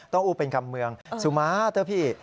ต้องอูบเป็นคำเมืองสุมาเตอร์พี่